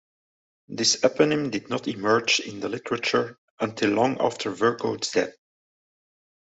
This eponym did not emerge in the literature until long after Virchow's death.